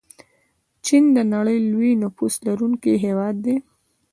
چین د نړۍ لوی نفوس لرونکی هیواد دی.